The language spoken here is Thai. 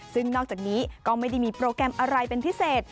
ซึ่งนอกจากนี้ก็ไม่ได้มีโปรแกรมอะไรเป็นพิเศษ